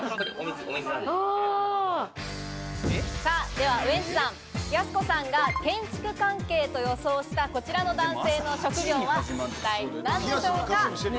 ではウエンツさん、やす子さんが建築関係と予想したこちらの男性の職業は一体何でしょうか？